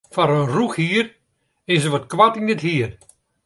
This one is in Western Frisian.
Foar in rûchhier is er wat koart yn it hier.